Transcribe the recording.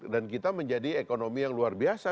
dan kita menjadi ekonomi yang luar biasa